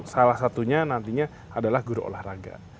salah satunya nantinya adalah guru olahraga